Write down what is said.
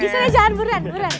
di sana jangan buruan buruan